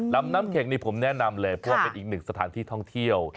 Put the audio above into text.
ลำน้ำเข็กนี่ผมแนะนำเลยเพราะว่าเป็นอีกหนึ่งสถานที่ท่องเที่ยว